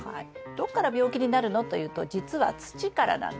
どっから病気になるのというと実は土からなんです。